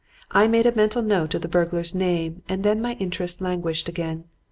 I made a mental note of the burglar's name, and then my interest languished again.